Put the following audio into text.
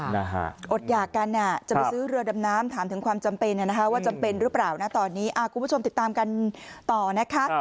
อดหยากกันอ่ะจะไปซื้อเรือดำน้ำถามถึงความจำเป็นนะคะว่าจำเป็นหรือเปล่านะตอนนี้คุณผู้ชมติดตามกันต่อนะคะ